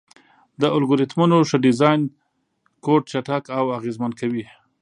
د الګوریتمونو ښه ډیزاین کوډ چټک او اغېزمن کوي.